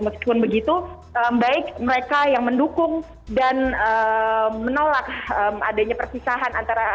meskipun begitu baik mereka yang mendukung dan menolak adanya perpisahan antara